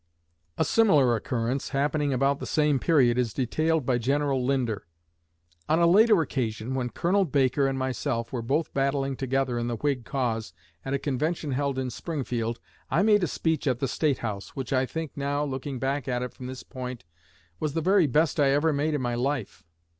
A similar occurrence, happening about the same period, is detailed by General Linder: "On a later occasion, when Colonel Baker and myself were both battling together in the Whig cause, at a convention held in Springfield, I made a speech at the State House, which I think now, looking back at it from this point, was the very best I ever made in my life.